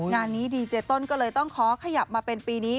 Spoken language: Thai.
งานนี้ดีเจต้นก็เลยต้องขอขยับมาเป็นปีนี้